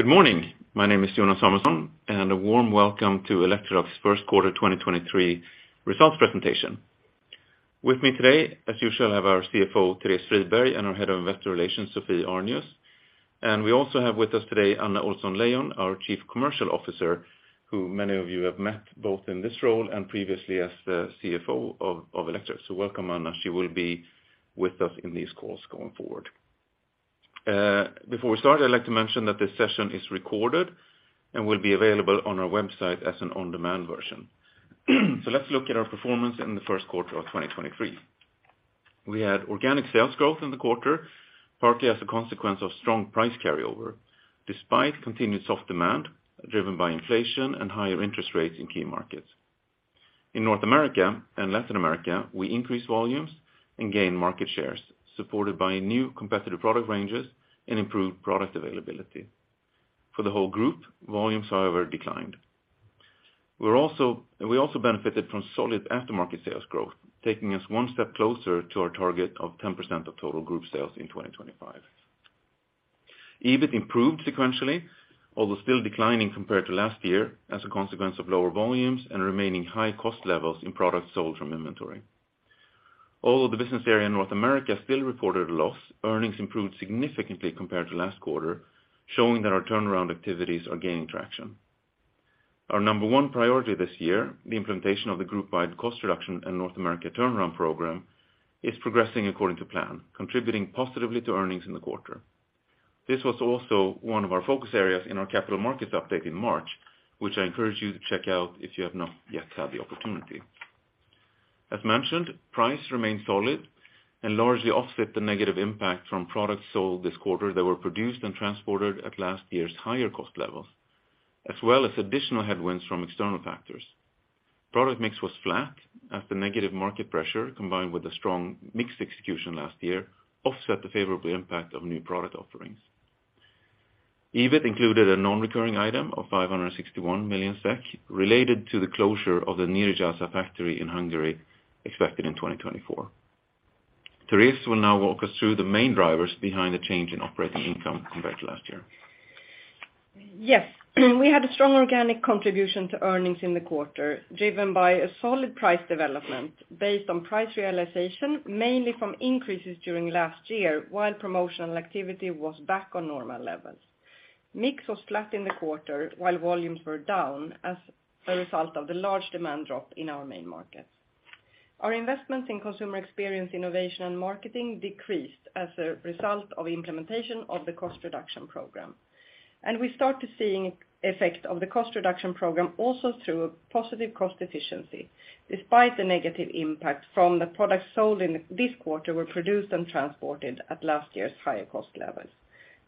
Good morning. My name is Jonas Samuelson. A warm welcome to Electrolux Q1 2023 results presentation. With me today, as usual, I have our CFO, Therese Friberg, our Head of Investor Relations, Sophie Arnius. We also have with us today Anna Ohlsson-Leijon, our Chief Commercial Officer, who many of you have met both in this role and previously as the CFO of Electrolux. Welcome, Anna. She will be with us in these calls going forward. Before we start, I'd like to mention that this session is recorded and will be available on our website as an on-demand version. Let's look at our performance in the Q1 of 2023. We had organic sales growth in the quarter, partly as a consequence of strong price carryover, despite continued soft demand driven by inflation and higher interest rates in key markets. In North America and Latin America, we increased volumes and gained market shares, supported by new competitive product ranges and improved product availability. For the whole group, volumes, however, declined. We also benefited from solid aftermarket sales growth, taking us one step closer to our target of 10% of total group sales in 2025. EBIT improved sequentially, although still declining compared to last year as a consequence of lower volumes and remaining high cost levels in products sold from inventory. Although the business area in North America still reported a loss, earnings improved significantly compared to last quarter, showing that our turnaround activities are gaining traction. Our number one priority this year, the implementation of the group-wide cost reduction and North America turnaround program, is progressing according to plan, contributing positively to earnings in the quarter. This was also one of our focus areas in our Capital Markets Update in March, which I encourage you to check out if you have not yet had the opportunity. As mentioned, price remained solid and largely offset the negative impact from products sold this quarter that were produced and transported at last year's higher cost levels, as well as additional headwinds from external factors. Product mix was flat as the negative market pressure, combined with the strong mixed execution last year, offset the favorable impact of new product offerings. EBIT included a non-recurring item of 561 million SEK related to the closure of the Nyíregyháza factory in Hungary expected in 2024. Therese will now walk us through the main drivers behind the change in operating income compared to last year. Yes. We had a strong organic contribution to earnings in the quarter, driven by a solid price development based on price realization, mainly from increases during last year, while promotional activity was back on normal levels. Mix was flat in the quarter, while volumes were down as a result of the large demand drop in our main markets. Our investments in consumer experience, innovation, and marketing decreased as a result of implementation of the cost reduction program. We start to seeing effect of the cost reduction program also through a positive cost efficiency, despite the negative impact from the products sold in this quarter were produced and transported at last year's higher cost levels.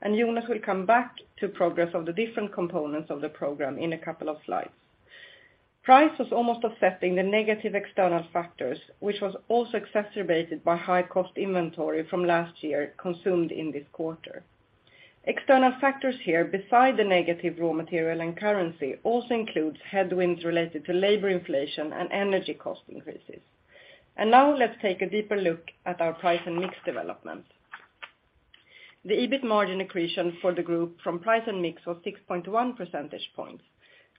Jonas will come back to progress of the different components of the program in a couple of slides. Price was almost offsetting the negative external factors, which was also exacerbated by high cost inventory from last year consumed in this quarter. External factors here, beside the negative raw material and currency, also includes headwinds related to labor inflation and energy cost increases. Now let's take a deeper look at our price and mix development. The EBIT margin accretion for the group from price and mix was 6.1 percentage points.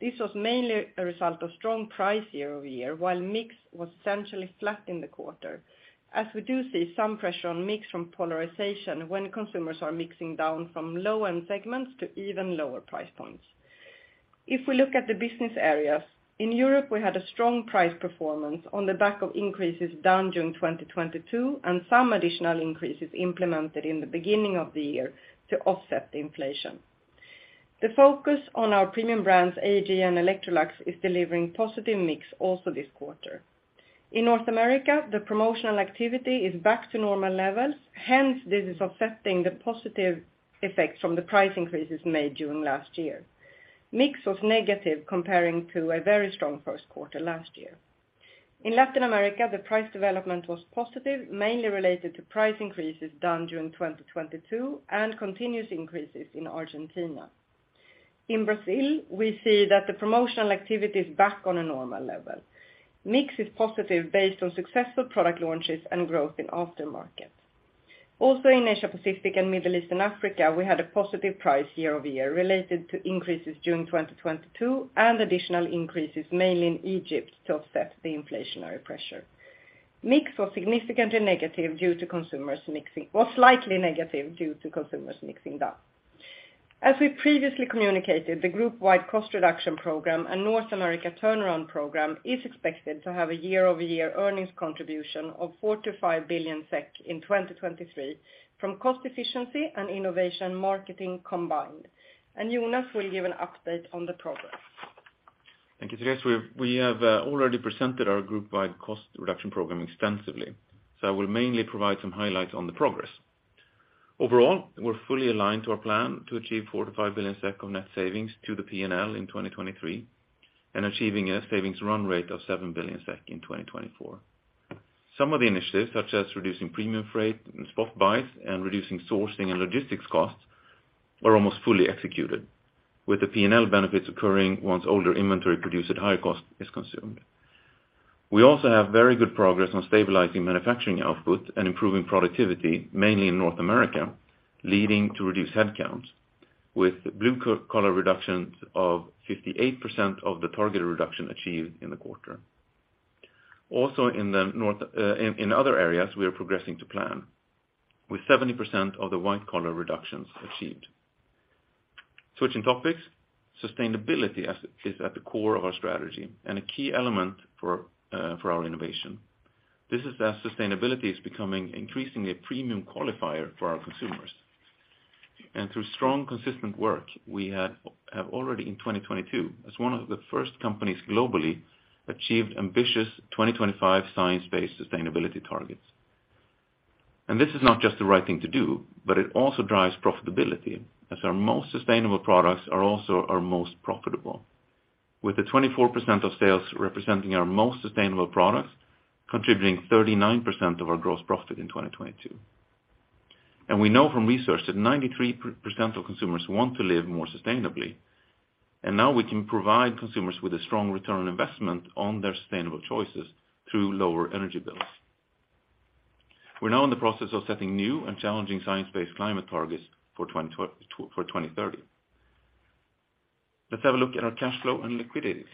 This was mainly a result of strong price year-over-year, while mix was essentially flat in the quarter, as we do see some pressure on mix from polarization when consumers are mixing down from low-end segments to even lower price points. If we look at the business areas, in Europe, we had a strong price performance on the back of increases done during 2022 and some additional increases implemented in the beginning of the year to offset the inflation. The focus on our premium brands, AEG and Electrolux, is delivering positive mix also this quarter. In North America, the promotional activity is back to normal levels. Hence, this is offsetting the positive effects from the price increases made during last year. Mix was negative comparing to a very strong Q1 last year. In Latin America, the price development was positive, mainly related to price increases done during 2022 and continuous increases in Argentina. In Brazil, we see that the promotional activity is back on a normal level. Mix is positive based on successful product launches and growth in aftermarket. In Asia-Pacific and Middle East and Africa, we had a positive price year-over-year related to increases during 2022 and additional increases, mainly in Egypt, to offset the inflationary pressure. Mix was slightly negative due to consumers mixing down. As we previously communicated, the group-wide cost reduction program and North America turnaround program is expected to have a year-over-year earnings contribution of 4 billion-5 billion SEK in 2023 from cost efficiency and innovation marketing combined. Jonas will give an update on the progress. Thank you, Therese. We have already presented our group-wide cost reduction program extensively. I will mainly provide some highlights on the progress. Overall, we're fully aligned to our plan to achieve 4 billion to 5 billion SEK of net savings to the P&L in 2023 and achieving a savings run rate of 7 billion SEK in 2024. Some of the initiatives, such as reducing premium freight and spot buys and reducing sourcing and logistics costs, are almost fully executed, with the P&L benefits occurring once older inventory produced at higher cost is consumed. We also have very good progress on stabilizing manufacturing output and improving productivity mainly in North America, leading to reduced headcounts with blue-collar reductions of 58% of the targeted reduction achieved in the quarter. In the north, in other areas, we are progressing to plan with 70% of the white collar reductions achieved. Switching topics, sustainability is at the core of our strategy and a key element for our innovation. This is as sustainability is becoming increasingly a premium qualifier for our consumers. Through strong, consistent work, we have already in 2022, as one of the first companies globally, achieved ambitious 2025 science-based targets. This is not just the right thing to do, but it also drives profitability as our most sustainable products are also our most profitable. With the 24% of sales representing our most sustainable products, contributing 39% of our gross profit in 2022. We know from research that 93% of consumers want to live more sustainably. Now we can provide consumers with a strong return on investment on their sustainable choices through lower energy bills. We're now in the process of setting new and challenging science-based climate targets for 2030. Let's have a look at our cash flow and liquidity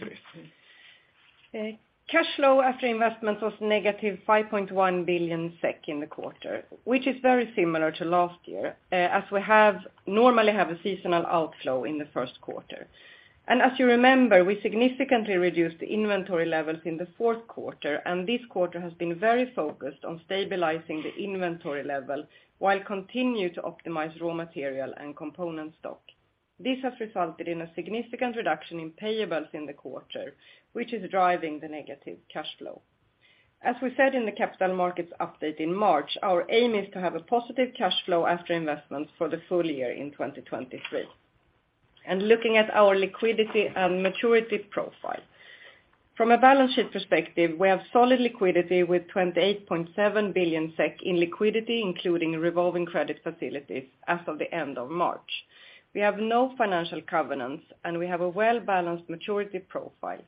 please. Cash flow after investment was negative 5.1 billion SEK in the quarter, which is very similar to last year, as we normally have a seasonal outflow in the Q1. As you remember, we significantly reduced the inventory levels in the Q4, and this quarter has been very focused on stabilizing the inventory level, while continue to optimize raw material and component stock. This has resulted in a significant reduction in payables in the quarter, which is driving the negative cash flow. As we said in the Capital Markets Update in March, our aim is to have a positive cash flow after investments for the full year in 2023. Looking at our liquidity and maturity profile. From a balance sheet perspective, we have solid liquidity with 28.7 billion SEK in liquidity, including revolving credit facilities as of the end of March. We have no financial covenants, we have a well-balanced maturity profile,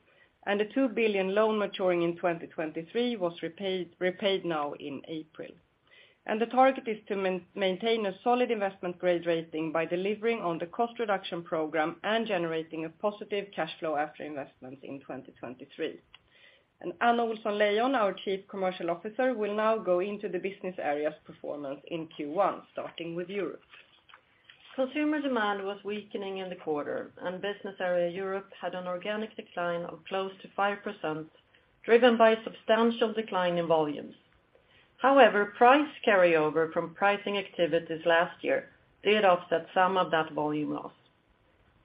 and the 2 billion loan maturing in 2023 was repaid now in April. The target is to maintain a solid investment grade rating by delivering on the cost reduction program and generating a positive cash flow after investment in 2023. Anna Ohlsson-Leijon, our Chief Commercial Officer, will now go into the business area's performance in Q1, starting with Europe. Consumer demand was weakening in the quarter, and business area Europe had an organic decline of close to 5%, driven by substantial decline in volumes. However, price carryover from pricing activities last year did offset some of that volume loss.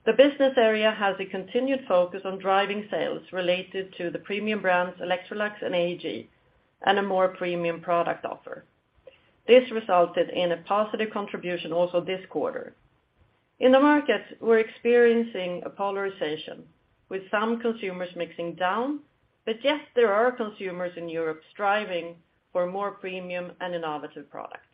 The business area has a continued focus on driving sales related to the premium brands Electrolux and AEG, and a more premium product offer. This resulted in a positive contribution also this quarter. In the markets, we're experiencing a polarization, with some consumers mixing down. Yes, there are consumers in Europe striving for more premium and innovative products.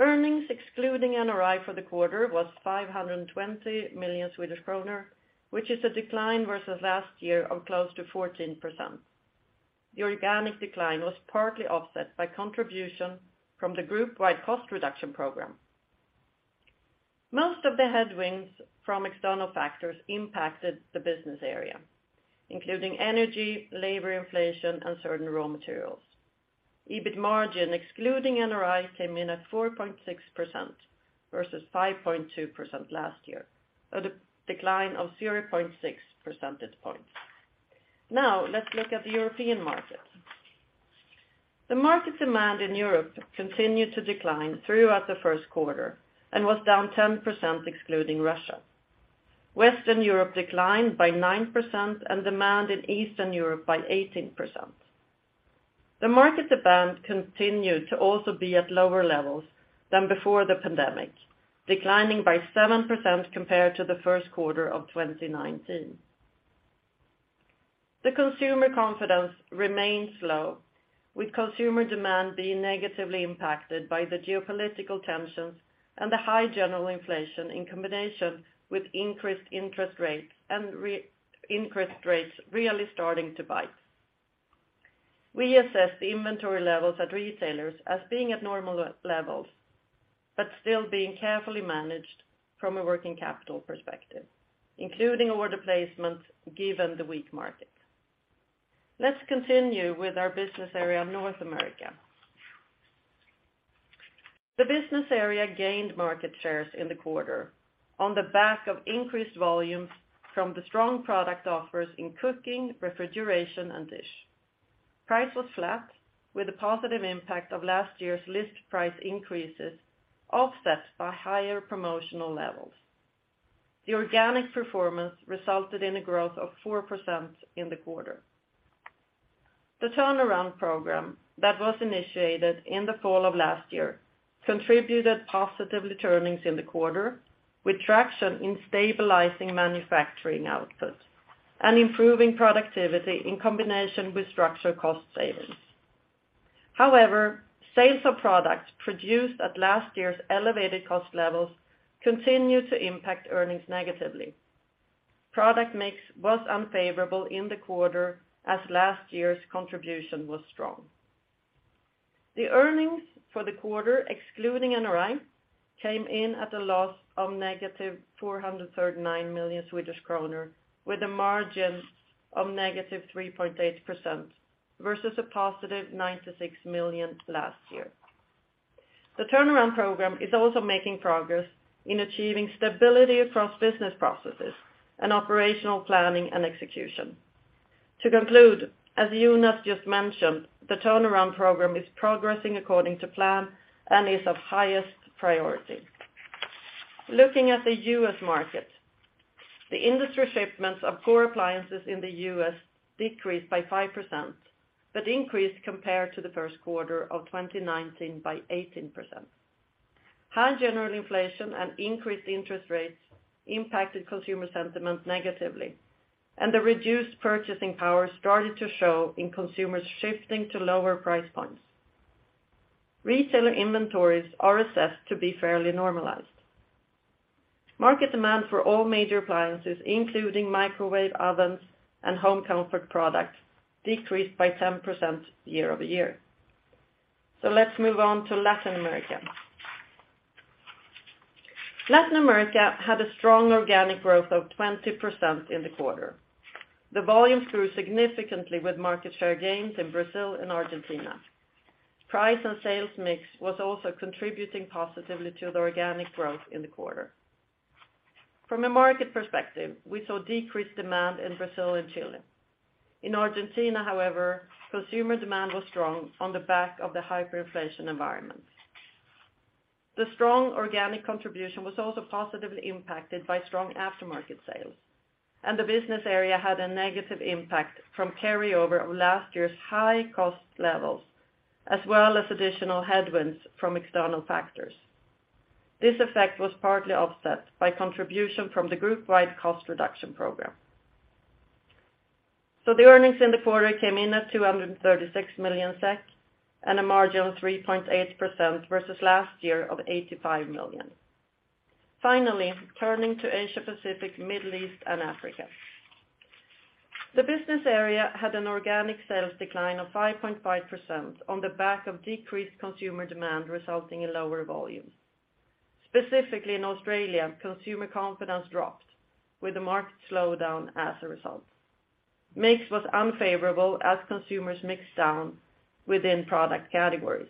Earnings excluding NRI for the quarter was 520 million Swedish kronor, which is a decline versus last year of close to 14%. The organic decline was partly offset by contribution from the group-wide cost reduction program. Most of the headwinds from external factors impacted the business area, including energy, labor inflation, and certain raw materials. EBIT margin, excluding NRI, came in at 4.6% versus 5.2% last year. The decline of 0.6 percentage points. Let's look at the European market. The market demand in Europe continued to decline throughout the Q1 and was down 10% excluding Russia. Western Europe declined by 9%, and demand in Eastern Europe by 18%. The market demand continued to also be at lower levels than before the pandemic, declining by 7% compared to the Q1 of 2019. The consumer confidence remains low, with consumer demand being negatively impacted by the geopolitical tensions and the high general inflation in combination with increased interest rates and increased rates really starting to bite. We assess the inventory levels at retailers as being at normal levels, but still being carefully managed from a working capital perspective, including order placement given the weak market. Let's continue with our business area, North America. The business area gained market shares in the quarter on the back of increased volumes from the strong product offers in cooking, refrigeration, and dish. Price was flat, with a positive impact of last year's list price increases offset by higher promotional levels. The organic performance resulted in a growth of 4% in the quarter. The turnaround program that was initiated in the fall of last year contributed positive returns in the quarter, with traction in stabilizing manufacturing output and improving productivity in combination with structural cost savings. Sales of products produced at last year's elevated cost levels continue to impact earnings negatively. Product mix was unfavorable in the quarter as last year's contribution was strong. The earnings for the quarter, excluding NRI, came in at a loss of -439 million Swedish kronor, with a margin of -3.8% versus +96 million last year. The turnaround program is also making progress in achieving stability across business processes and operational planning and execution. To conclude, as Jonas just mentioned, the turnaround program is progressing according to plan and is of highest priority. Looking at the U.S. market, the industry shipments of core appliances in the U.S. decreased by 5%, increased compared to the Q1 of 2019 by 18%. High general inflation and increased interest rates impacted consumer sentiment negatively, the reduced purchasing power started to show in consumers shifting to lower price points. Retailer inventories are assessed to be fairly normalized. Market demand for all major appliances, including microwave ovens and home comfort products, decreased by 10% year-over-year. Let's move on to Latin America. Latin America had a strong organic growth of 20% in the quarter. The volume grew significantly with market share gains in Brazil and Argentina. Price and sales mix was also contributing positively to the organic growth in the quarter. From a market perspective, we saw decreased demand in Brazil and Chile. In Argentina, however, consumer demand was strong on the back of the hyperinflation environment. The strong organic contribution was also positively impacted by strong aftermarket sales, and the business area had a negative impact from carryover of last year's high cost levels, as well as additional headwinds from external factors. This effect was partly offset by contribution from the group-wide cost reduction program. The earnings in the quarter came in at 236 million SEK and a margin of 3.8% versus last year of 85 million. Turning to Asia Pacific, Middle East, and Africa. The business area had an organic sales decline of 5.5% on the back of decreased consumer demand resulting in lower volumes. Specifically in Australia, consumer confidence dropped with the market slowdown as a result. Mix was unfavorable as consumers mixed down within product categories.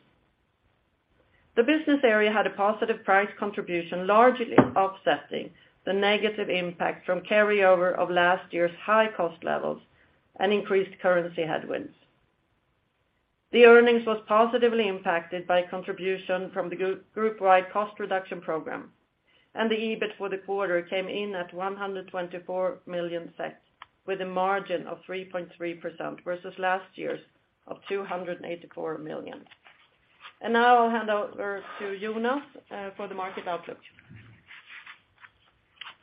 The business area had a positive price contribution, largely offsetting the negative impact from carryover of last year's high cost levels and increased currency headwinds. The earnings was positively impacted by contribution from the group wide cost reduction program, and the EBIT for the quarter came in at 124 million, with a margin of 3.3% versus last year's of 284 million. Now I'll hand over to Jonas for the market outlook.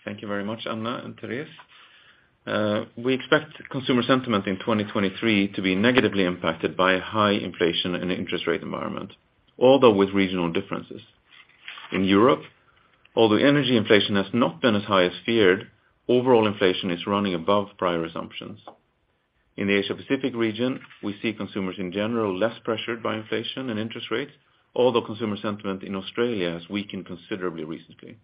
Thank you very much, Anna and Therese. We expect consumer sentiment in 2023 to be negatively impacted by high inflation and interest rate environment, although with regional differences. In Europe, although energy inflation has not been as high as feared, overall inflation is running above prior assumptions. In the Asia Pacific region, we see consumers, in general, less pressured by inflation and interest rates, although consumer sentiment in Australia has weakened considerably recently.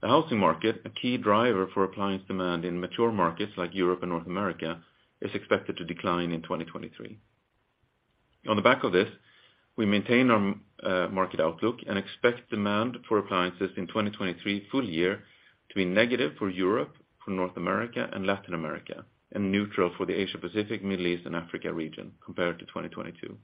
The housing market, a key driver for appliance demand in mature markets like Europe and North America, is expected to decline in 2023. On the back of this, we maintain our market outlook and expect demand for appliances in 2023 full year to be negative for Europe, for North America and Latin America, and neutral for the Asia-Pacific, Middle East and Africa region compared to 2022.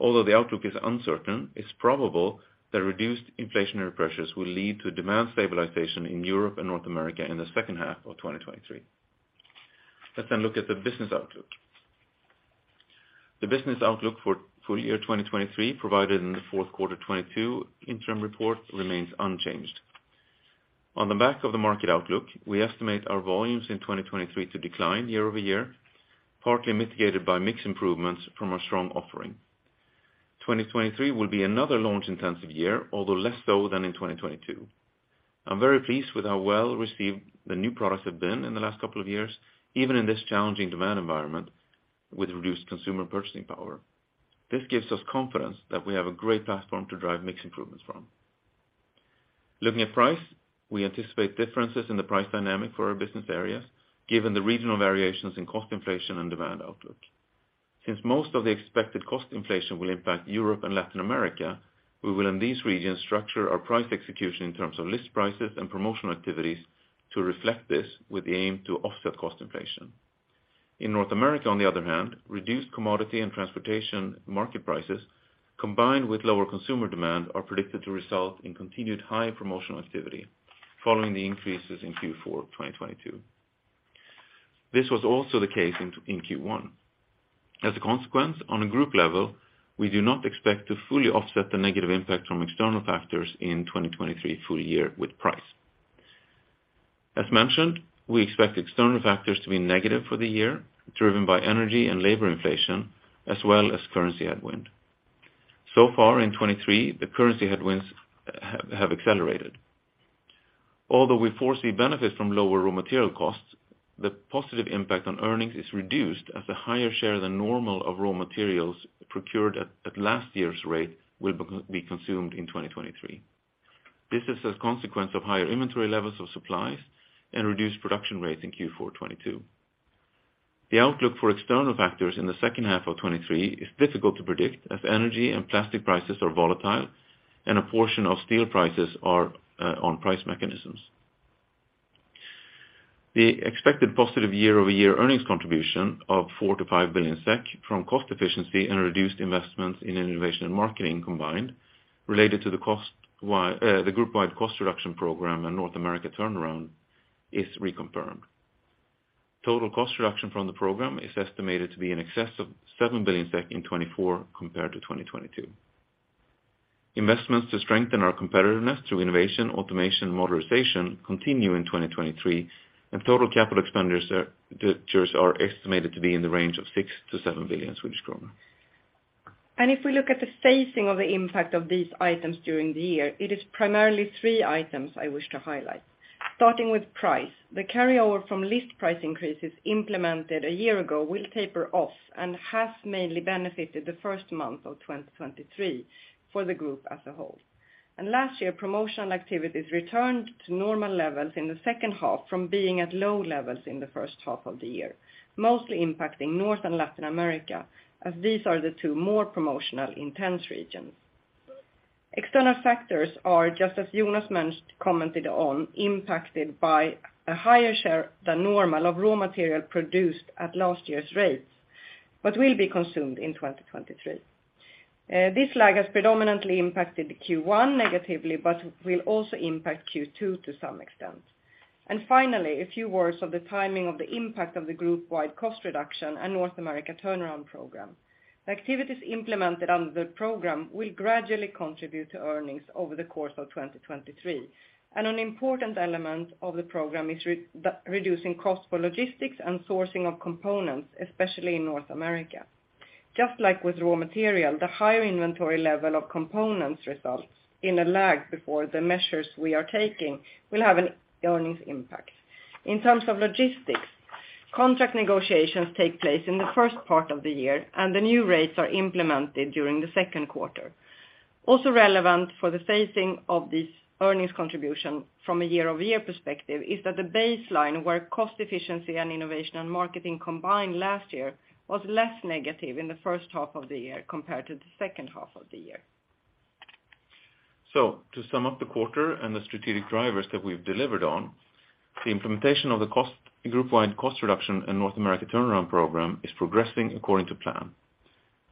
Although the outlook is uncertain, it's probable that reduced inflationary pressures will lead to demand stabilization in Europe and North America in the second half of 2023. Let's look at the business outlook. The business outlook for full year 2023 provided in the Q4 2022 interim report remains unchanged. On the back of the market outlook, we estimate our volumes in 2023 to decline year-over-year, partly mitigated by mix improvements from our strong offering. 2023 will be another launch intensive year, although less so than in 2022. I'm very pleased with how well received the new products have been in the last couple of years, even in this challenging demand environment with reduced consumer purchasing power. This gives us confidence that we have a great platform to drive mix improvements from. Looking at price, we anticipate differences in the price dynamic for our business areas, given the regional variations in cost inflation and demand outlook. Since most of the expected cost inflation will impact Europe and Latin America, we will in these regions structure our price execution in terms of list prices and promotional activities to reflect this with the aim to offset cost inflation. In North America, on the other hand, reduced commodity and transportation market prices combined with lower consumer demand are predicted to result in continued high promotional activity following the increases in Q4 of 2022. This was also the case in Q1. As a consequence, on a group level, we do not expect to fully offset the negative impact from external factors in 2023 full year with price. As mentioned, we expect external factors to be negative for the year, driven by energy and labor inflation, as well as currency headwind. Far in 2023, the currency headwinds have accelerated. Although we foresee benefits from lower raw material costs, the positive impact on earnings is reduced as a higher share than normal of raw materials procured at last year's rate will be consumed in 2023. This is as a consequence of higher inventory levels of supplies and reduced production rates in Q4 2022. The outlook for external factors in the second half of 2023 is difficult to predict as energy and plastic prices are volatile and a portion of steel prices are on price mechanisms. The expected positive year-over-year earnings contribution of 4 billion-5 billion SEK from cost efficiency and reduced investments in innovation and marketing combined, related to the group-wide cost reduction program and North America turnaround is reconfirmed. Total cost reduction from the program is estimated to be in excess of 7 billion SEK in 2024 compared to 2022. Investments to strengthen our competitiveness through innovation, automation, modernization continue in 2023, total capital expenditures are estimated to be in the range of 6 billion to 7 billion Swedish kronor. If we look at the phasing of the impact of these items during the year, it is primarily 3 items I wish to highlight. Starting with price. The carryover from list price increases implemented a year ago will taper off and has mainly benefited the first month of 2023 for the group as a whole. Last year, promotional activities returned to normal levels in the second half from being at low levels in the first half of the year, mostly impacting North and Latin America, as these are the two more promotional intense regions. External factors are just as Jonas mentioned, commented on, impacted by a higher share than normal of raw material produced at last year's rates, but will be consumed in 2023. This lag has predominantly impacted Q1 negatively, but will also impact Q2 to some extent. Finally, a few words of the timing of the impact of the group-wide cost reduction and North America turnaround program. The activities implemented under the program will gradually contribute to earnings over the course of 2023. An important element of the program is reducing costs for logistics and sourcing of components, especially in North America. Just like with raw material, the higher inventory level of components results in a lag before the measures we are taking will have an earnings impact. In terms of logistics, contract negotiations take place in the first part of the year, and the new rates are implemented during the Q2. Relevant for the phasing of this earnings contribution from a year-over-year perspective is that the baseline where cost efficiency and innovation and marketing combined last year was less negative in the first half of the year compared to the second half of the year. To sum up the quarter and the strategic drivers that we've delivered on, the implementation of the cost, group-wide cost reduction and North America turnaround program is progressing according to plan.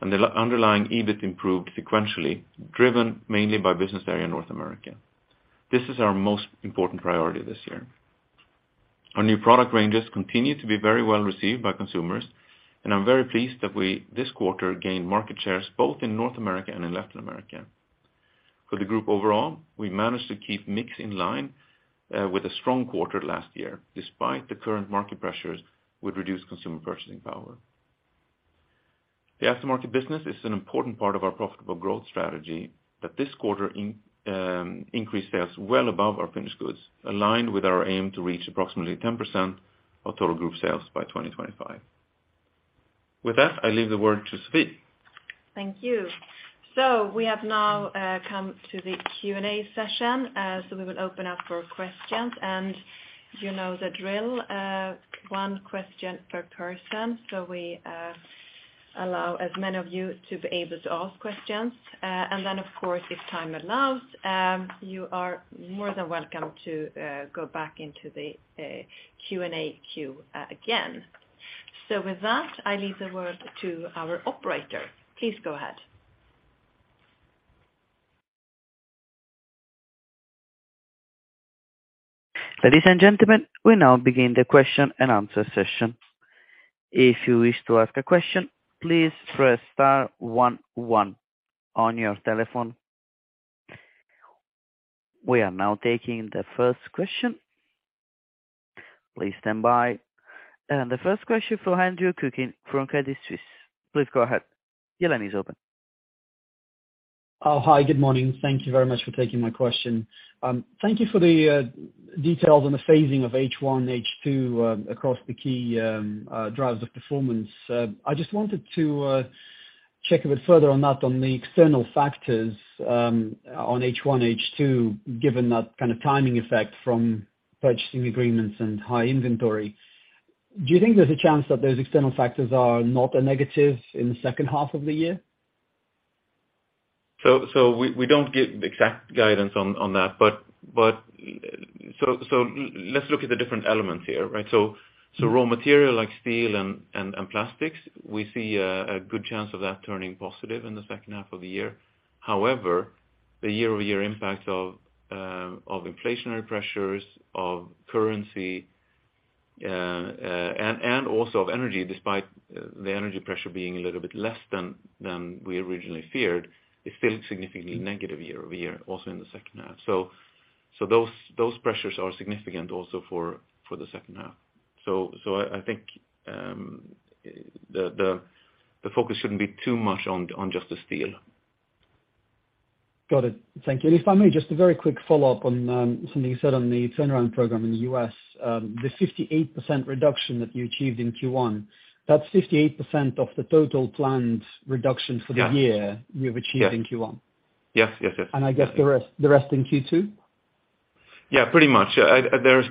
The underlying EBIT improved sequentially, driven mainly by business area in North America. This is our most important priority this year. Our new product ranges continue to be very well received by consumers, and I'm very pleased that we, this quarter, gained market shares both in North America and in Latin America. For the group overall, we managed to keep mix in line with a strong quarter last year, despite the current market pressures with reduced consumer purchasing power. The aftermarket business is an important part of our profitable growth strategy that this quarter in increased sales well above our finished goods, aligned with our aim to reach approximately 10% of total group sales by 2025. With that, I leave the word to Sophie. Thank you. We have now come to the Q&A session. We will open up for questions. You know the drill, one question per person. We allow as many of you to be able to ask questions. Of course, if time allows, you are more than welcome to go back into the Q&A queue again. With that, I leave the word to our operator. Please go ahead. Ladies and gentlemen, we now begin the question and answer session. If you wish to ask a question, please press star one on your telephone. We are now taking the first question. Please stand by. The first question from Andrew Coombs from Credit Suisse. Please go ahead. Your line is open. Hi, good morning. Thank you very much for taking my question. Thank you for the details on the phasing of H1, H2, across the key drivers of performance. I just wanted to check a bit further on that on the external factors, on H1, H2, given that kind of timing effect from purchasing agreements and high inventory. Do you think there's a chance that those external factors are not a negative in the second half of the year? We don't give exact guidance on that. Let's look at the different elements here, right? Raw material like steel and plastics, we see a good chance of that turning positive in the second half of the year. However, the year-over-year impact of inflationary pressures, of currency, and also of energy, despite the energy pressure being a little bit less than we originally feared. It's still significantly negative year-over-year, also in the second half. Those pressures are significant also for the second half. I think the focus shouldn't be too much on just the steel. Got it. Thank you. If I may, just a very quick follow-up on, something you said on the turnaround program in the U.S. The 58% reduction that you achieved in Q1, that's 58% of the total planned reduction for the year? Yeah. you have achieved in Q1. Yes. Yes, yes. I guess the rest in Q2? Pretty much. There's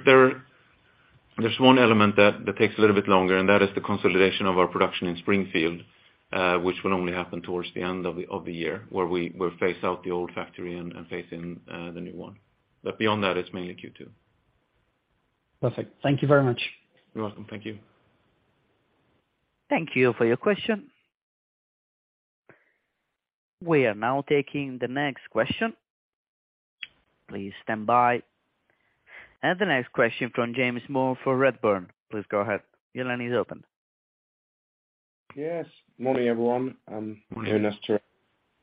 one element that takes a little bit longer, and that is the consolidation of our production in Springfield, which will only happen towards the end of the year, where we will phase out the old factory and phase in the new one. Beyond that, it's mainly Q2. Perfect. Thank you very much. You're welcome. Thank you. Thank you for your question. We are now taking the next question. Please stand by. The next question from James Moore for Redburn. Please go ahead. Your line is open. Yes. Morning, everyone. Morning.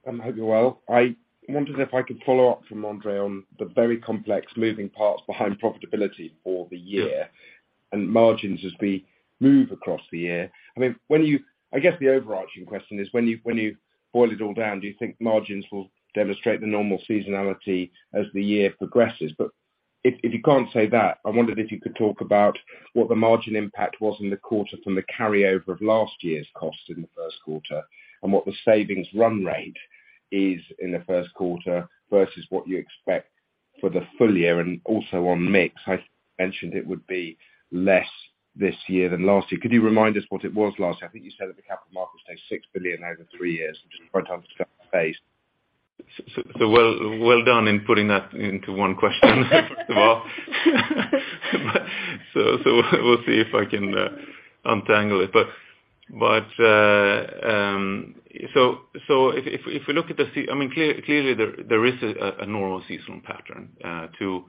I'm hoping well. I wondered if I could follow up from Andre on the very complex moving parts behind profitability for the year and margins as we move across the year. I mean, I guess the overarching question is, when you boil it all down, do you think margins will demonstrate the normal seasonality as the year progresses? If you can't say that, I wondered if you could talk about what the margin impact was in the quarter from the carryover of last year's costs in the Q1, and what the savings run rate is in the Q1 versus what you expect for the full year. Also on mix, I mentioned it would be less this year than last year. Could you remind us what it was last year? I think you said at the Capital Markets Day 6 billion over three years, just trying to understand the phase. Well done in putting that into one question first of all. We'll see if I can untangle it. I mean, clearly, there is a normal seasonal pattern to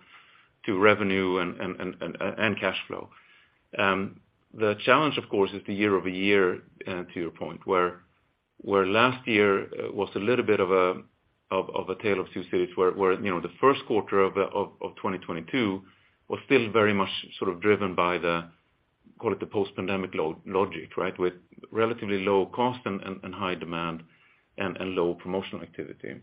revenue and cash flow. The challenge, of course, is the year-over-year, to your point, where last year was a little bit of a tale of two cities where, you know, the Q1 of 2022 was still very much sort of driven by the, call it the post-pandemic logic, right? With relatively low cost and high demand and low promotional activity.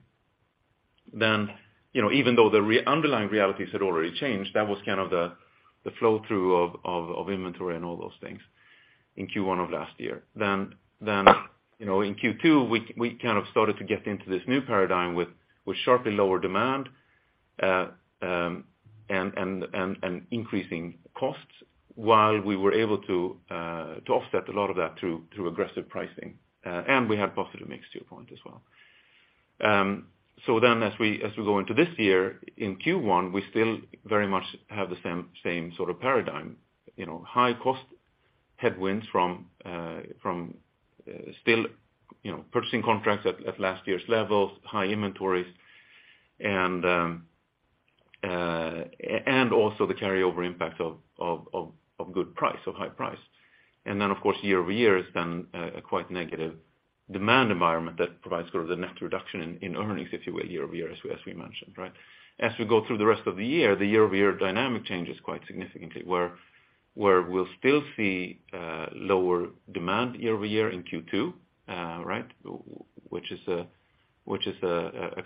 You know, even though the underlying realities had already changed, that was kind of the flow-through of inventory and all those things in Q1 of last year. You know, in Q2, we kind of started to get into this new paradigm with sharply lower demand, and increasing costs while we were able to offset a lot of that through aggressive pricing. We have profit and mix to your point as well. As we go into this year, in Q1, we still very much have the same sort of paradigm. You know, high cost headwinds from still, you know, purchasing contracts at last year's levels, high inventories, and also the carryover impact of good price, of high price. Of course, year-over-year has been a quite negative demand environment that provides sort of the net reduction in earnings, if you will, year-over-year, as we mentioned, right? As we go through the rest of the year, the year-over-year dynamic changes quite significantly, where we'll still see lower demand year-over-year in Q2, right? Which is a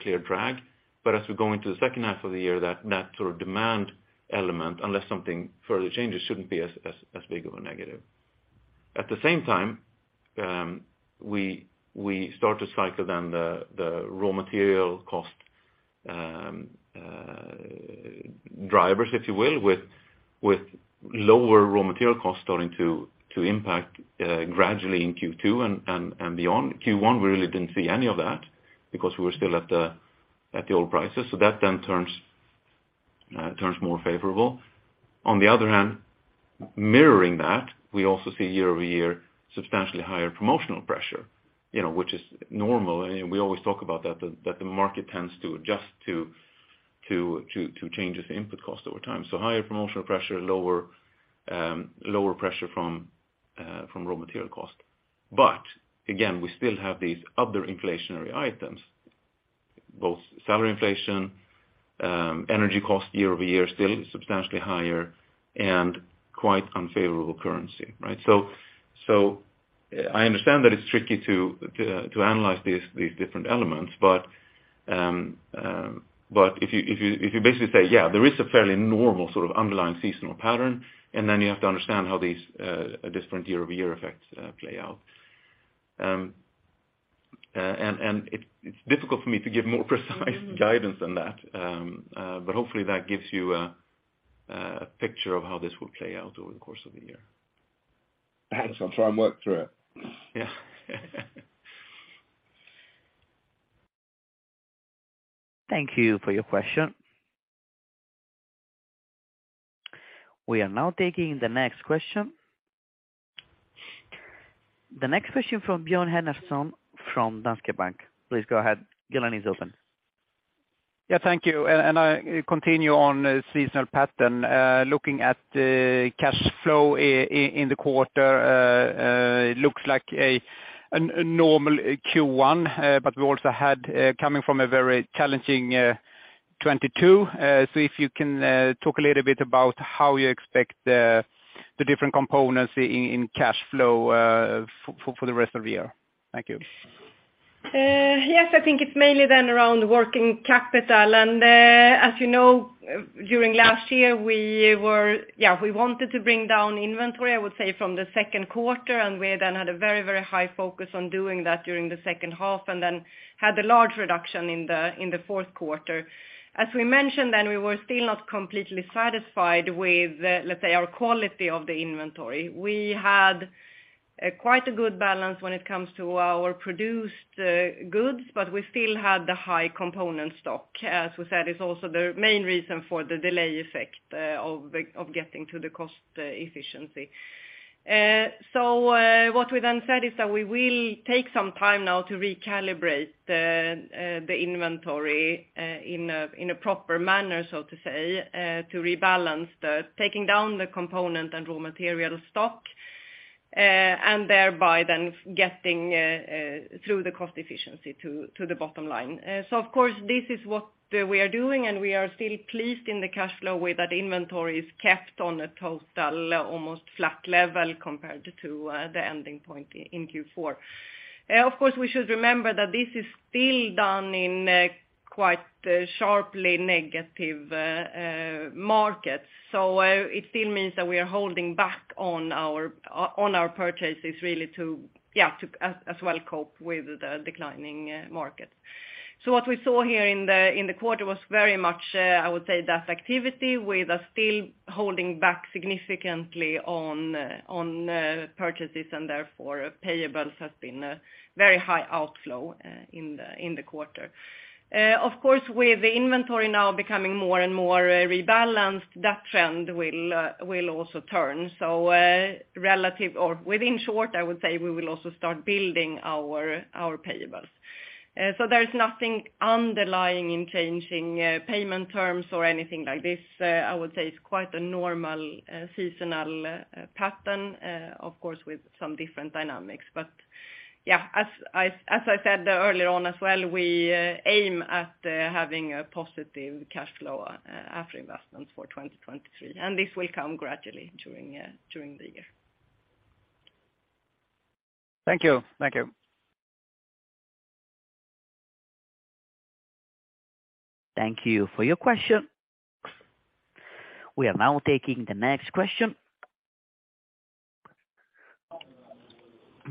clear drag. As we go into the second half of the year, that sort of demand element, unless something further changes, shouldn't be as big of a negative. At the same time, we start to cycle down the raw material cost drivers, if you will, with lower raw material costs starting to impact gradually in Q2 and beyond. Q1, we really didn't see any of that because we were still at the old prices. That then turns more favorable. On the other hand, mirroring that, we also see year-over-year substantially higher promotional pressure, you know, which is normal. We always talk about that the market tends to adjust to changes in input cost over time. Higher promotional pressure, lower pressure from raw material cost. Again, we still have these other inflationary items, both salary inflation, energy cost year-over-year still substantially higher, and quite unfavorable currency, right? I understand that it's tricky to analyze these different elements, but if you basically say, yeah, there is a fairly normal sort of underlying seasonal pattern, and then you have to understand how these different year-over-year effects play out. And it's difficult for me to give more precise guidance than that. But hopefully that gives you a picture of how this will play out over the course of the year. Thanks. I'll try and work through it. Yeah. Thank you for your question. We are now taking the next question. The next question from Björn Henriksson from Danske Bank. Please go ahead. Your line is open. Yeah, thank you. I continue on, seasonal pattern. Looking at, cash flow in the quarter, looks like a normal Q1, but we also had, coming from a very challenging 2022. If you can, talk a little bit about how you expect the different components in cash flow, for the rest of the year. Thank you. Yes. I think it's mainly then around working capital. As you know, during last year, we wanted to bring down inventory, I would say, from the Q2, and we then had a very high focus on doing that during the second half, and then had a large reduction in the Q4. As we mentioned then, we were still not completely satisfied with, let's say, our quality of the inventory. We had quite a good balance when it comes to our produced goods, but we still had the high component stock. As we said, it's also the main reason for the delay effect of getting to the cost efficiency. What we then said is that we will take some time now to recalibrate the inventory in a proper manner, so to say, to rebalance the taking down the component and raw material stock, and thereby then getting through the cost efficiency to the bottom line. This is what we are doing, and we are still pleased in the cash flow way that inventory is kept on a total almost flat level compared to the ending point in Q4. Of course, we should remember that this is still done in quite sharply negative markets. So it still means that we are holding back on our purchases really to as well cope with the declining market. What we saw here in the quarter was very much, I would say that activity with us still holding back significantly on purchases and therefore payables has been a very high outflow in the quarter. Of course, with the inventory now becoming more and more rebalanced, that trend will also turn. Relative or within short, I would say we will also start building our payables. There is nothing underlying in changing payment terms or anything like this. I would say it's quite a normal seasonal pattern, of course, with some different dynamics. Yeah, as I said earlier on as well, we aim at having a positive cash flow after investment for 2023, and this will come gradually during the year. Thank you. Thank you. Thank you for your question. We are now taking the next question.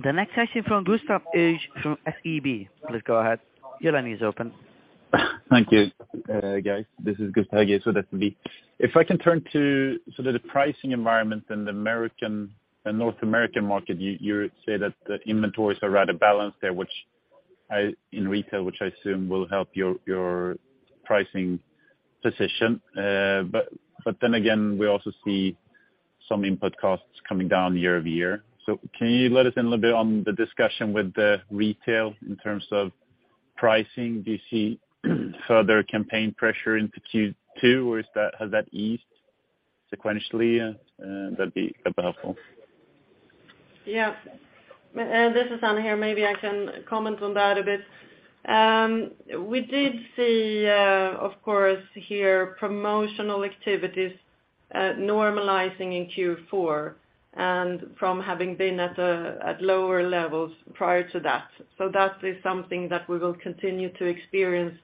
The next question from Gustav Sandström from SEB. Please go ahead. Your line is open. Thank you, guys. This is Gustav Sandström with SEB. If I can turn to sort of the pricing environment in the American and North American market, you say that the inventories are rather balanced there in retail, which I assume will help your pricing position. Then again, we also see some input costs coming down year-over-year. Can you let us in a little bit on the discussion with the retail in terms of pricing? Do you see further campaign pressure into Q2, or has that eased sequentially? That'd be helpful. This is Anna here. Maybe I can comment on that a bit. We did see, of course, here promotional activities normalizing in Q4 and from having been at lower levels prior to that. That is something that we will continue to experience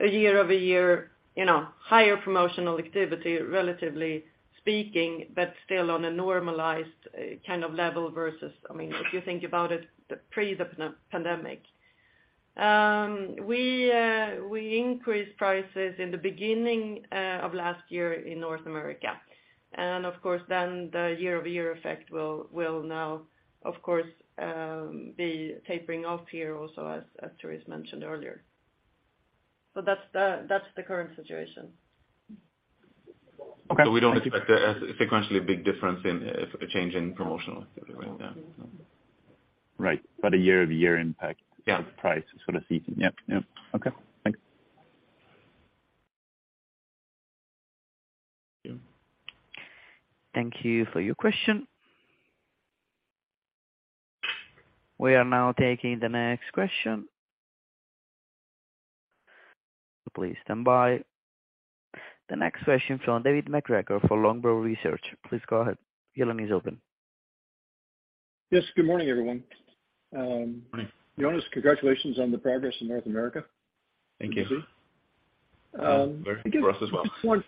a year-over-year, you know, higher promotional activity, relatively speaking, but still on a normalized kind of level versus, I mean, if you think about it, pre the pan-pandemic. We increased prices in the beginning of last year in North America. Of course, the year-over-year effect will now of course, be tapering off here also as Therese mentioned earlier. That's the current situation. Okay. We don't expect a sequentially big difference in a change in promotional activity, right? Yeah. Right. a year-over-year impact- Yeah. price sort of season. Yep. Yep. Okay. Thanks. Thank you for your question. We are now taking the next question. Please stand by. The next question from David MacGregor for Longbow Research. Please go ahead. Your line is open. Yes, good morning, everyone. Morning. Jonas, congratulations on the progress in North America. Thank you. For us as well.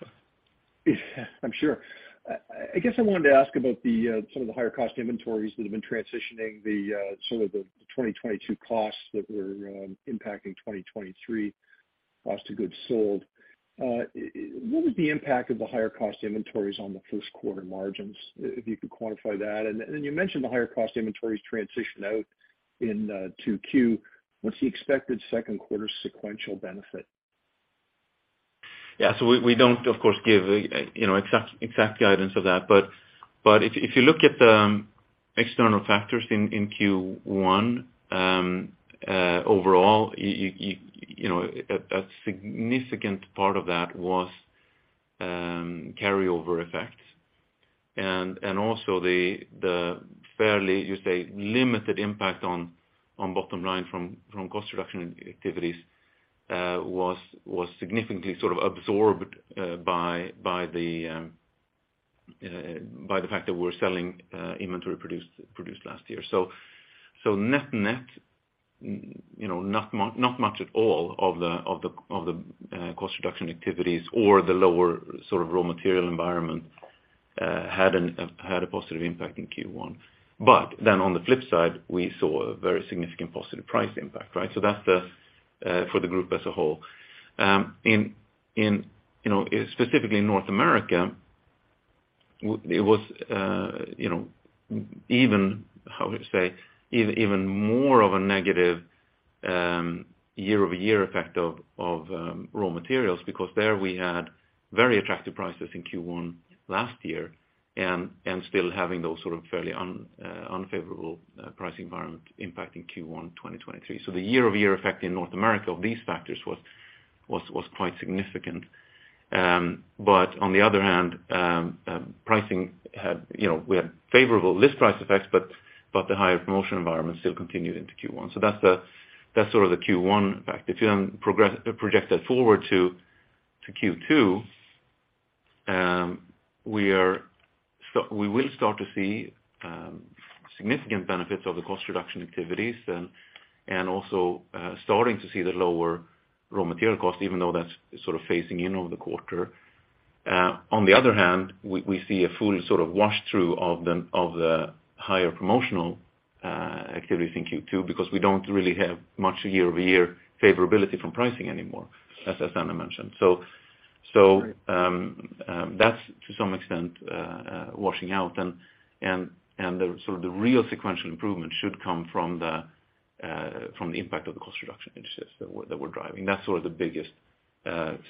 I'm sure. I guess I wanted to ask about the some of the higher cost inventories that have been transitioning the some of the 2022 costs that were impacting 2023 cost of goods sold. What was the impact of the higher cost inventories on the Q1 margins, if you could quantify that? You mentioned the higher cost inventories transition out in 2Q. What's the expected Q2 sequential benefit? We don't of course give, you know, exact guidance of that. If you look at the external factors in Q1, overall, you know, a significant part of that was carryover effect. Also the fairly, you say, limited impact on bottom line from cost reduction activities was significantly sort of absorbed by the fact that we're selling inventory produced last year. Net-net, you know, not much at all of the cost reduction activities or the lower sort of raw material environment had a positive impact in Q1. On the flip side, we saw a very significant positive price impact, right? That's the, for the group as a whole. In, you know, specifically in North America, it was, you know, even, how we say, even more of a negative, year-over-year effect of raw materials because there we had very attractive prices in Q1 last year and still having those sort of fairly unfavorable, price environment impact in Q1 2023. The year-over-year effect in North America of these factors was quite significant. But on the other hand, pricing had, you know, we had favorable list price effects, but the higher promotional environment still continued into Q1. That's the, that's sort of the Q1 effect. If you project that forward to Q2, we will start to see significant benefits of the cost reduction activities and also starting to see the lower raw material cost, even though that's sort of phasing in over the quarter. On the other hand, we see a full sort of wash through of the higher promotional activities in Q2 because we don't really have much year-over-year favorability from pricing anymore, as Anna mentioned. That's to some extent washing out and the sort of the real sequential improvement should come from the from the impact of the cost reduction initiatives that we're driving. That's sort of the biggest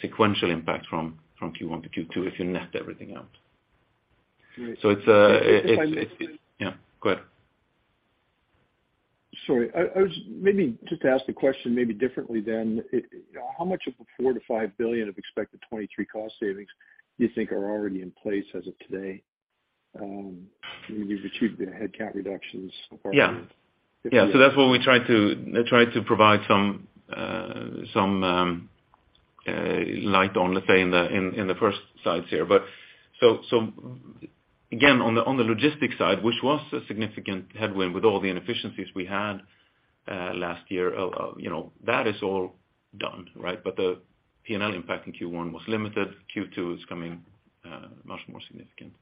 sequential impact from Q1 to Q2 if you net everything out. Great. It's. If I may. Yeah, go ahead. Sorry. I was maybe just to ask the question maybe differently then. How much of the 4 billion-5 billion of expected 2023 cost savings do you think are already in place as of today? You've achieved the headcount reductions. Yeah. That's what we tried to provide some light on, let's say, in the first slides here. Again, on the logistics side, which was a significant headwind with all the inefficiencies we had last year, you know, that is all done, right? The P&L impact in Q1 was limited. Q2 is coming, much more significant.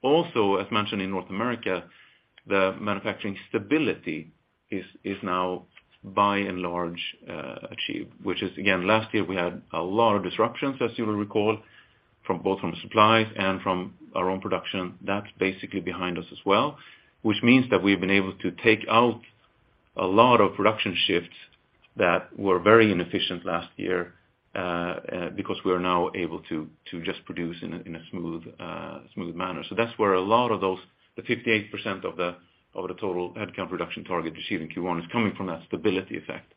Also, as mentioned in North America, the manufacturing stability is now by and large achieved, which is again, last year we had a lot of disruptions, as you will recall, from both from supplies and from our own production. That's basically behind us as well, which means that we've been able to take out a lot of production shifts that were very inefficient last year, because we are now able to just produce in a smooth manner. That's where a lot of those, the 58% of the total headcount reduction target received in Q1 is coming from that stability effect.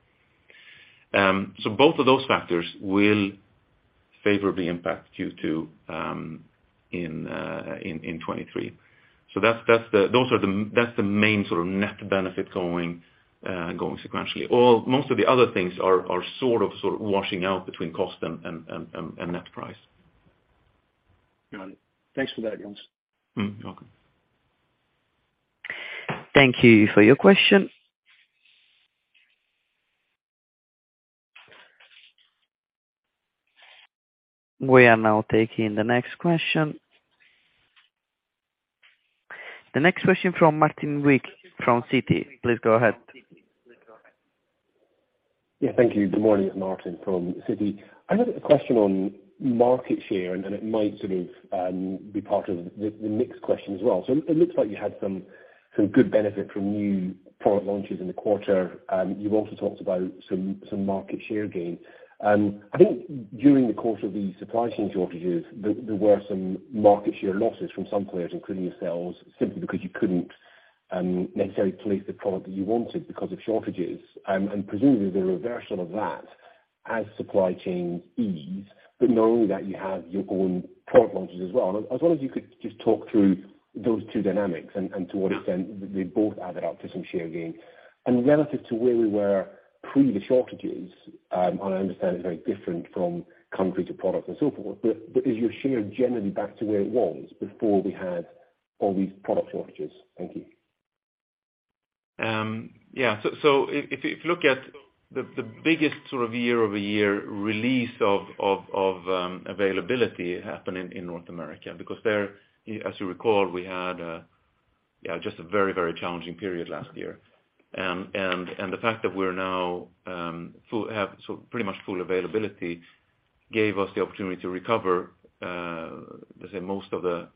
Both of those factors will favorably impact Q2 in 2023. That's the main sort of net benefit going sequentially. Most of the other things are washing out between cost and net price. Got it. Thanks for that, Jonas. You're welcome. Thank you for your question. We are now taking the next question. The next question from Martin Wilkie from Citi. Please go ahead. Yeah, thank you. Good morning. It's Martin from Citi. I have a question on market share, and it might sort of be part of the mixed question as well. It looks like you had some good benefit from new product launches in the quarter. You've also talked about some market share gains. I think during the course of the supply chain shortages, there were some market share losses from some players, including yourselves, simply because you couldn't necessarily place the product that you wanted because of shortages. Presumably the reversal of that as supply chain ease, but knowing that you have your own product launches as well. I was wonder if you could just talk through those two dynamics and to what extent they both added up to some share gains. Relative to where we were pre the shortages, I understand it's very different from country to product and so forth, but is your share generally back to where it was before we had all these product shortages? Thank you. Yeah. If you look at the biggest sort of year-over-year release of availability happening in North America, because there, as you recall, we had just a very challenging period last year. And the fact that we're now have sort of pretty much full availability gave us the opportunity to recover, let's say most of the,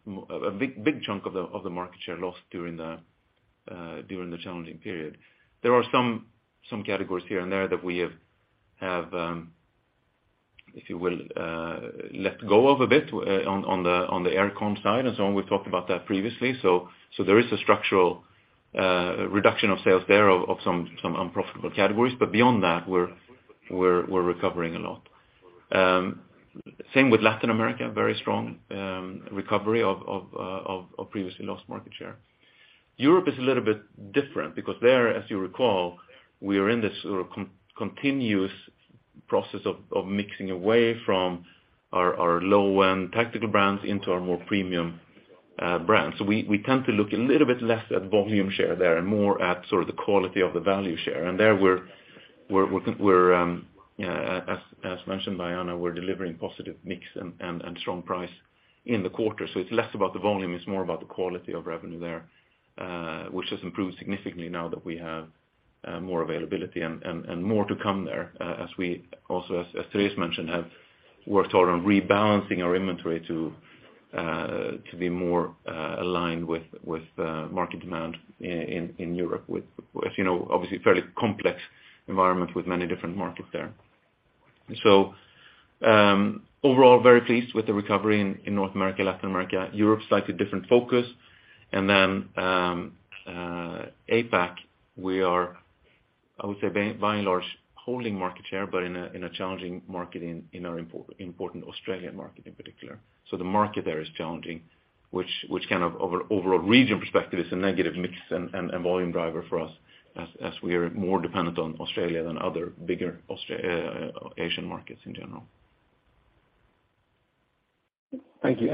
a big chunk of the market share lost during the challenging period. There are some categories here and there that we have, if you will, let go of a bit on the air con side and so on. We've talked about that previously. There is a structural reduction of sales there of some unprofitable categories, but beyond that, we're recovering a lot. Same with Latin America, very strong recovery of previously lost market share. Europe is a little bit different because there, as you recall, we are in this sort of continuous process of mixing away from our low-end tactical brands into our more premium brands. We tend to look a little bit less at volume share there and more at sort of the quality of the value share. There we're, as mentioned by Anna, we're delivering positive mix and strong price in the quarter. It's less about the volume, it's more about the quality of revenue there, which has improved significantly now that we have more availability and more to come there. We also, as Therese mentioned, have worked on rebalancing our inventory to be more aligned with market demand in Europe, with, as you know, obviously a fairly complex environment with many different markets there. Overall, very pleased with the recovery in North America, Latin America. Europe's slightly different focus. Then, APAC, we are, I would say, by and large, holding market share, but in a challenging market in our important Australian market in particular. The market there is challenging, which kind of overall region perspective is a negative mix and volume driver for us as we are more dependent on Australia than other bigger Asian markets in general. Thank you.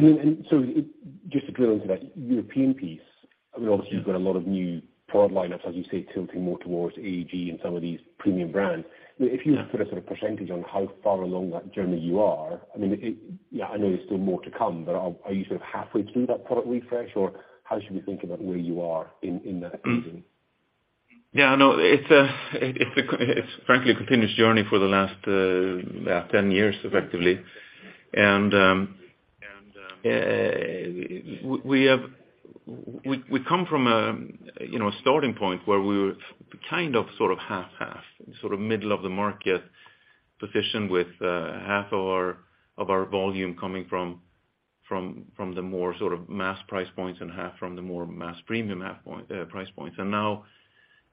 Just to drill into that European piece, I mean, obviously you've got a lot of new product lineups, as you say, tilting more towards AEG and some of these premium brands. If you look for a sort of percentage on how far along that journey you are, I mean, I know there's still more to come, but are you sort of halfway through that product refresh, or how should we think about where you are in that season? Yeah, no, it's frankly a continuous journey for the last 10 years, effectively. We come from a, you know, a starting point where we were kind of, sort of half-half, sort of middle of the market position with half of our volume coming from the more sort of mass price points and half from the more mass premium half point price points. Now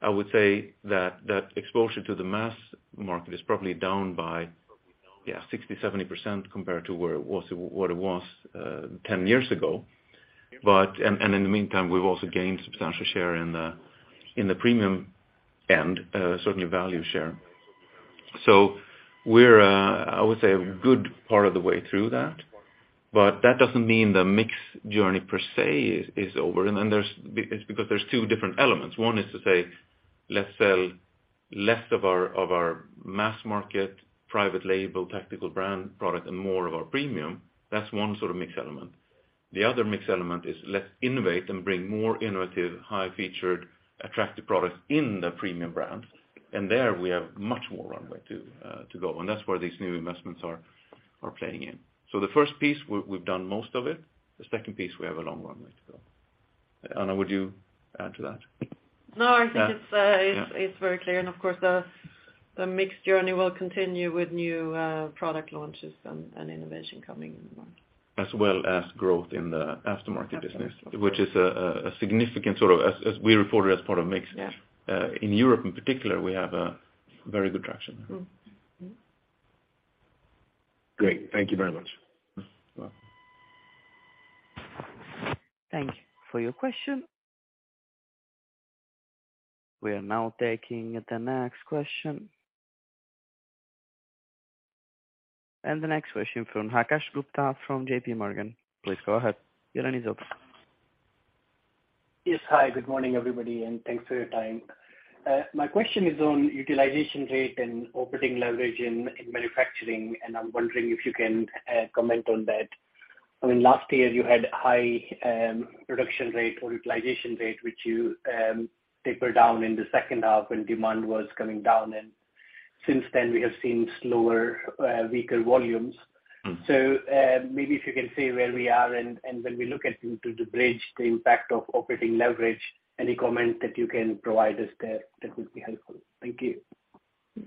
I would say that that exposure to the mass market is probably down by, yeah, 60%, 70% compared to where it was, what it was, 10 years ago. In the meantime, we've also gained substantial share in the, in the premium end, certainly value share. We're, I would say, a good part of the way through that. That doesn't mean the mix journey per se is over. Because there's two different elements. One is to say, let's sell less of our mass market private label tactical brand product and more of our premium. That's one sort of mix element. The other mix element is let's innovate and bring more innovative, high featured, attractive products in the premium brands. There we have much more runway to go, and that's where these new investments are playing in. The first piece, we've done most of it, the second piece, we have a long runway to go. Anna, would you add to that? No, I think it's very clear. Of course, the mix journey will continue with new product launches and innovation coming in the market. As well as growth in the aftermarket business, which is a significant sort of... As we report it as part of mix. Yeah. In Europe in particular, we have a very good traction. Mm-hmm. Great. Thank you very much. You're welcome. Thank you for your question. We are now taking the next question. The next question from Akash Gupta from J.P. Morgan. Please go ahead. Your line is open. Yes. Hi, good morning, everybody, and thanks for your time. My question is on utilization rate and operating leverage in manufacturing, and I'm wondering if you can comment on that. I mean, last year you had high production rate or utilization rate, which you tapered down in the second half when demand was coming down. Since then, we have seen slower, weaker volumes. Mm-hmm. Maybe if you can say where we are and when we look at into the bridge, the impact of operating leverage, any comment that you can provide us there, that would be helpful. Thank you.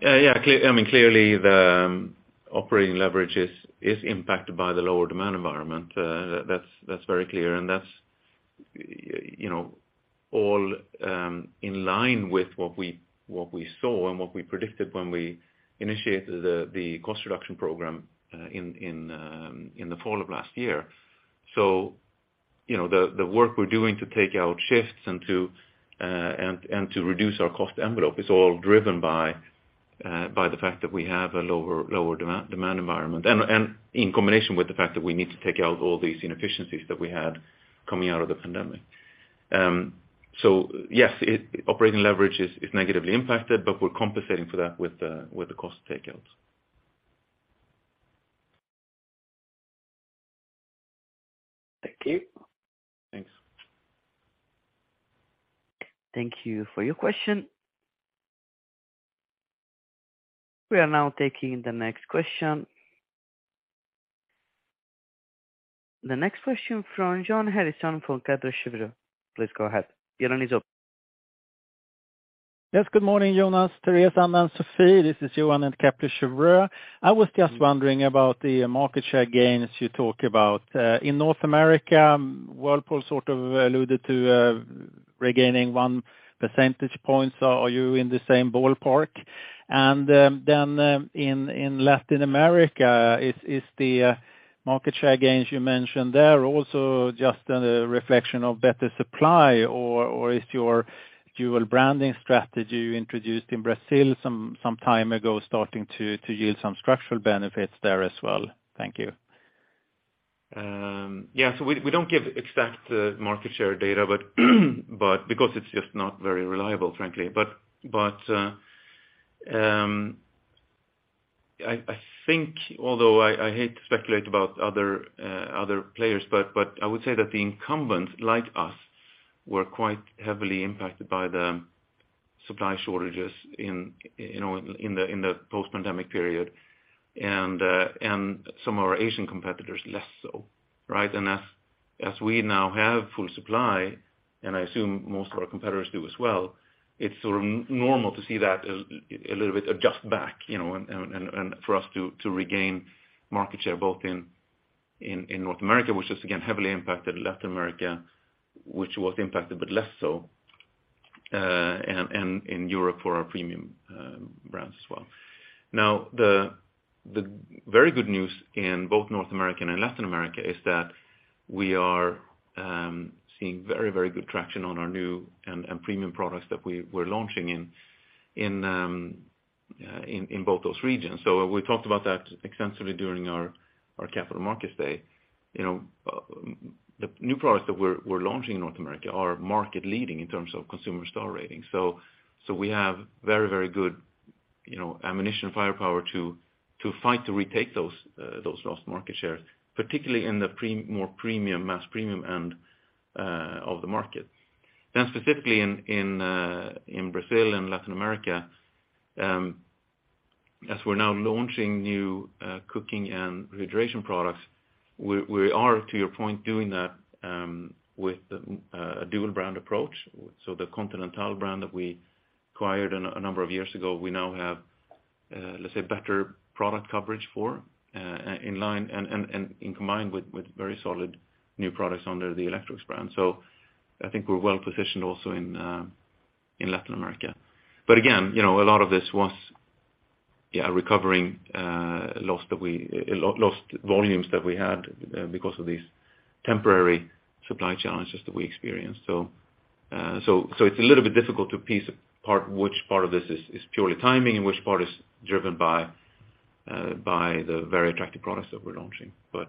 Yeah. I mean, clearly the operating leverage is impacted by the lower demand environment. That's very clear and that's, you know, all in line with what we saw and what we predicted when we initiated the cost reduction program in the fall of last year. You know, the work we're doing to take out shifts and to reduce our cost envelope is all driven by the fact that we have a lower demand environment. In combination with the fact that we need to take out all these inefficiencies that we had coming out of the pandemic. Yes, it... Operating leverage is negatively impacted, but we're compensating for that with the cost takeouts. Thank you. Thanks. Thank you for your question. We are now taking the next question. The next question from Johan Eliasson from Kepler Cheuvreux. Please go ahead. Your line is open. Yes, good morning, Jonas, Therese, Anna, and Sophie. This is Johan at Kepler Cheuvreux. I was just wondering about the market share gains you talk about in North America. Whirlpool sort of alluded to regaining one percentage points. Are you in the same ballpark? Then in Latin America, is the market share gains you mentioned there also just a reflection of better supply, or is your dual branding strategy you introduced in Brazil some time ago starting to yield some structural benefits there as well? Thank you. Yeah. We don't give exact market share data, but because it's just not very reliable, frankly. But I think, although I hate to speculate about other players, but I would say that the incumbents like us were quite heavily impacted by the supply shortages in, you know, in the post-pandemic period. And some of our Asian competitors less so, right? As we now have full supply, and I assume most of our competitors do as well, it's sort of normal to see that a little bit adjust back, you know, and for us to regain market share both in North America, which is again heavily impacted Latin America, which was impacted, but less so, and in Europe for our premium brands as well. The very good news in both North America and Latin America is that we are seeing very good traction on our new and premium products that we're launching in both those regions. We talked about that extensively during our Capital Markets Update. You know, the new products that we're launching in North America are market leading in terms of consumer star ratings. We have very, very good, you know, ammunition firepower to fight to retake those lost market shares, particularly in the more premium, mass premium end of the market. Specifically in Brazil and Latin America, as we're now launching new cooking and refrigeration products, we are, to your point, doing that with a dual brand approach. The Continental brand that we acquired a number of years ago, we now have, let's say better product coverage for in line and in combined with very solid new products under the Electrolux brand. I think we're well-positioned also in Latin America. Again, you know, a lot of this was recovering, lost volumes that we had because of these temporary supply challenges that we experienced. So it's a little bit difficult to piece apart which part of this is purely timing and which part is driven by the very attractive products that we're launching. But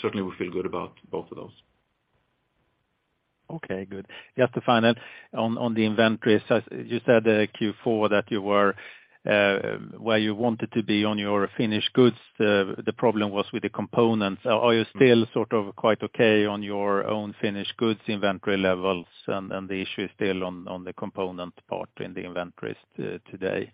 certainly we feel good about both of those. Okay, good. Just to find out on the inventory, you said that Q4 that you were where you wanted to be on your finished goods. The problem was with the components. Are you still sort of quite okay on your own finished goods inventory levels and the issue is still on the component part in the inventories today?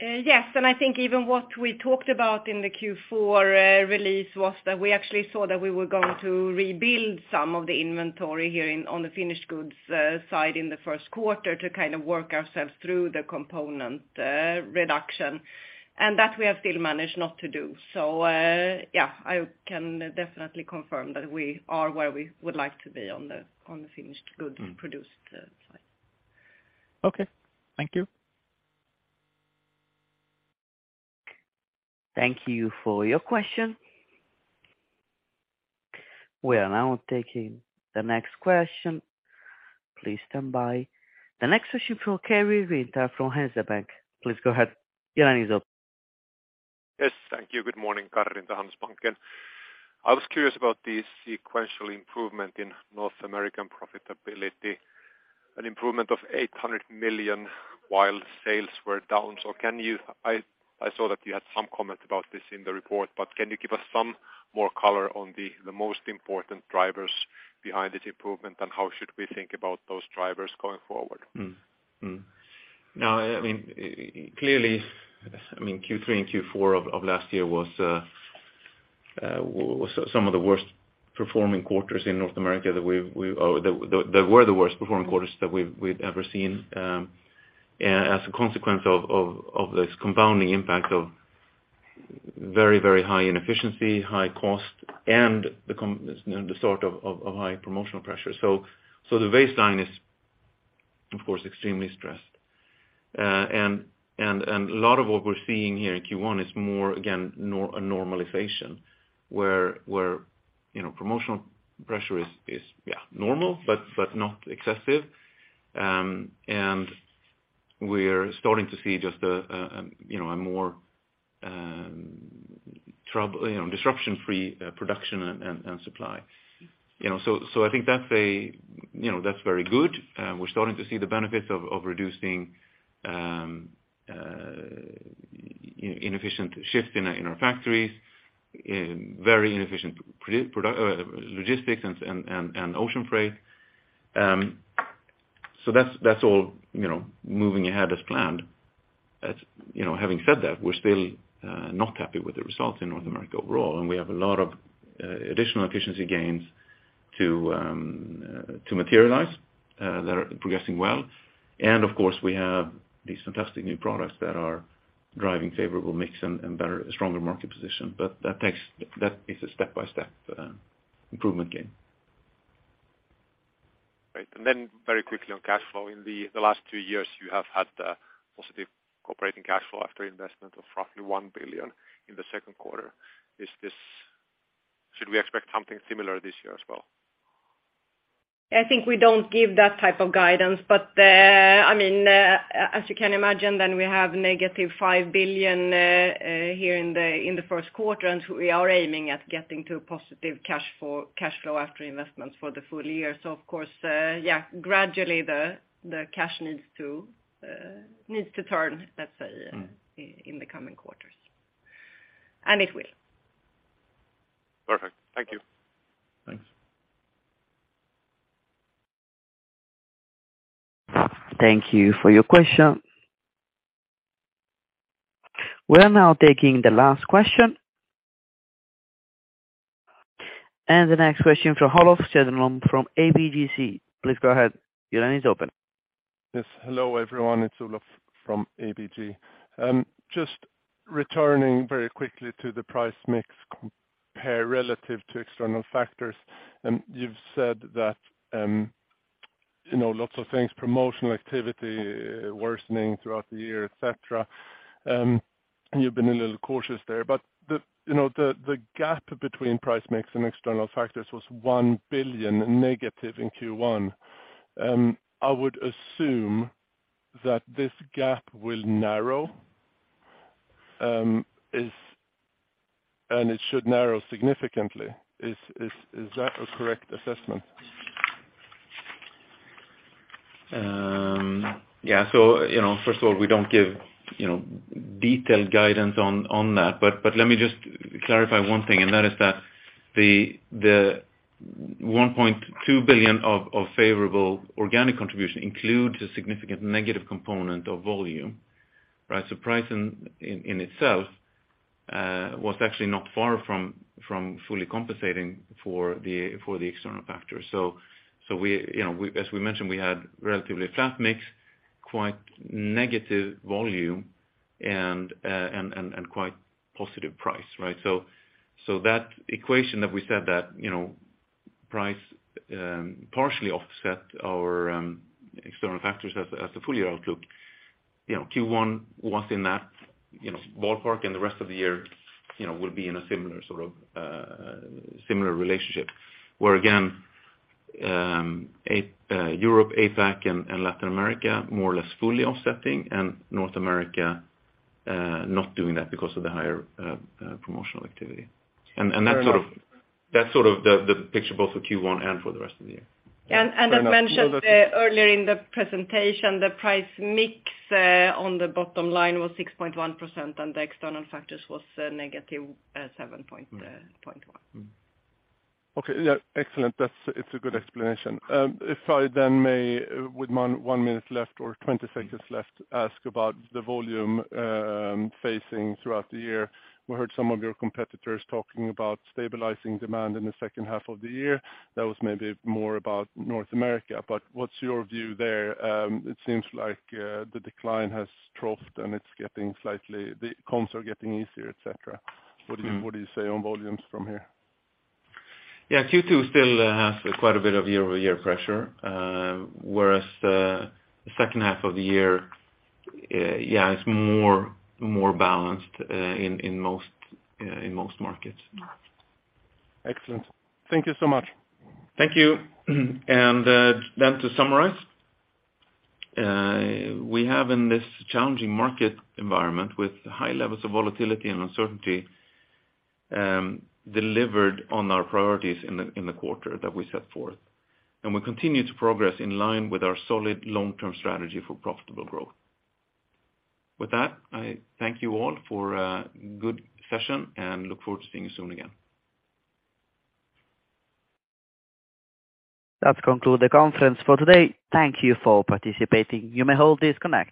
Yes. I think even what we talked about in the Q4 release was that we actually saw that we were going to rebuild some of the inventory here in, on the finished goods side in the Q1 to kind of work ourselves through the component reduction. That we have still managed not to do. Yeah, I can definitely confirm that we are where we would like to be on the, on the finished goods produced side. Okay. Thank you. Thank you for your question. We are now taking the next question. Please stand by. The next question from Karri Rinta from Handelsbanken. Please go ahead. Your line is open. Yes. Thank you. Good morning, Karri Rinta, Handelsbanken. I was curious about the sequential improvement in North American profitability, an improvement of 800 million, while sales were down. I saw that you had some comment about this in the report, but can you give us some more color on the most important drivers behind this improvement, and how should we think about those drivers going forward? No, I mean, clearly, I mean, Q3 and Q4 of last year was some of the worst performing quarters in North America that we've or that were the worst performing quarters that we've ever seen, as a consequence of this compounding impact of very, very high inefficiency, high cost, and you know, the sort of high promotional pressure. The baseline is, of course, extremely stressed. And a lot of what we're seeing here in Q1 is more, again, a normalization where, you know, promotional pressure is, yeah, normal, but not excessive. And we're starting to see just a, you know, a more, trouble, you know, disruption-free, production and supply. You know, I think that's a, you know, that's very good. We're starting to see the benefits of reducing inefficient shift in our factories, very inefficient logistics and ocean freight. That's, that's all, you know, moving ahead as planned. You know, having said that, we're still not happy with the results in North America overall, and we have a lot of additional efficiency gains to materialize that are progressing well. Of course, we have these fantastic new products that are driving favorable mix and better, stronger market position. That is a step-by-step improvement gain. Great. Then very quickly on cash flow. In the last two years, you have had a positive operating cash flow after investment of roughly 1 billion in the Q2. Should we expect something similar this year as well? I think we don't give that type of guidance. I mean, as you can imagine, then we have -5 billion here in the Q1, and we are aiming at getting to a positive cash flow, cash flow after investments for the full year. Of course, yeah, gradually the cash needs to turn, let's say, in the coming quarters. It will. Perfect. Thank you. Thanks. Thank you for your question. We are now taking the last question. The next question from Olof Cederholm from ABG. Please go ahead. Your line is open. Yes. Hello, everyone. It's Olof from ABG. Just returning very quickly to the price mix compare relative to external factors. You've said that, you know, lots of things, promotional activity worsening throughout the year, et cetera. You've been a little cautious there. The, you know, the gap between price mix and external factors was 1 billion negative in Q1. I would assume that this gap will narrow, and it should narrow significantly. Is that a correct assessment? Yeah. You know, first of all, we don't give, you know, detailed guidance on that. Let me just clarify one thing, and that is that the 1.2 billion of favorable organic contribution includes a significant negative component of volume, right? Price in itself was actually not far from fully compensating for the external factor. We, you know, as we mentioned, we had relatively flat mix, quite negative volume, and quite positive price, right? That equation that we said that, you know, price partially offset our external factors as a full year outlook. You know, Q1 was in that, you know, ballpark, and the rest of the year, you know, will be in a similar sort of, similar relationship, where, again, Europe, APAC, and Latin America more or less fully offsetting, and North America, not doing that because of the higher, promotional activity. That's sort of. Fair enough. That's sort of the picture both for Q1 and for the rest of the year. As mentioned, earlier in the presentation, the price mix, on the bottom line was 6.1%, and the external factors was negative 7.1. Okay. Yeah. Excellent. That's It's a good explanation. If I then may, with one minute left or 20 seconds left, ask about the volume facing throughout the year. We heard some of your competitors talking about stabilizing demand in the second half of the year. That was maybe more about North America, what's your view there? It seems like the decline has troughed and it's getting slightly the comps are getting easier, et cetera. Mm-hmm. What do you say on volumes from here? Yeah. Q2 still has quite a bit of year-over-year pressure, whereas the second half of the year is more balanced in most markets. Excellent. Thank you so much. Thank you. To summarize, we have in this challenging market environment with high levels of volatility and uncertainty, delivered on our priorities in the quarter that we set forth. We continue to progress in line with our solid long-term strategy for profitable growth. With that, I thank you all for a good session and look forward to seeing you soon again. That concludes the conference for today. Thank you for participating. You may all disconnect.